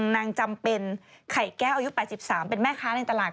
นางจำเป็นไข่แก้วอายุ๘๓เป็นแม่ค้าในตลาด